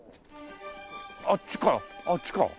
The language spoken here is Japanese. あっちかあっちか。